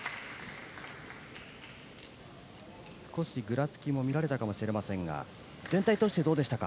少しぐらつきも見られたかもしれませんが全体通してどうでしたか？